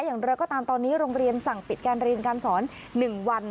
อย่างไรก็ตามตอนนี้โรงเรียนสั่งปิดการเรียนการสอน๑วัน